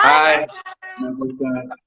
hai apa kabar